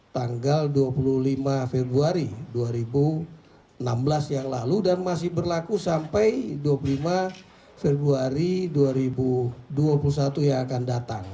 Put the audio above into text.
tanggal dua puluh lima februari dua ribu enam belas yang lalu dan masih berlaku sampai dua puluh lima februari dua ribu dua puluh satu yang akan datang